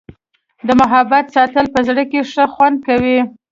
د محبت ساتل په زړه کي ښه خوند کوي.